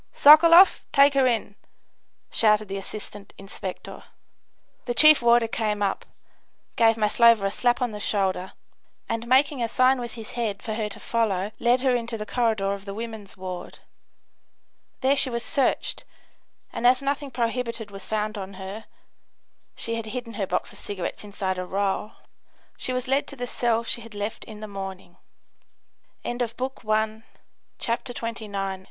"Sokoloff, take her in!" shouted the assistant inspector. The chief warder came up, gave Maslova a slap on the shoulder, and making a sign with his head for her to follow led her into the corridor of the women's ward. There she was searched, and as nothing prohibited was found on her (she had hidden her box of cigarettes inside a roll) she was led to the cell she had left in the morning. CHAPTER XXX. THE CELL. The cell in